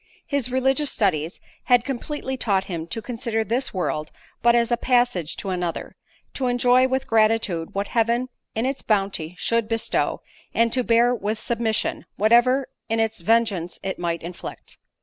His religious studies had completely taught him to consider this world but as a passage to another; to enjoy with gratitude what Heaven in its bounty should bestow, and to bear with submission, whatever in its vengeance it might inflict.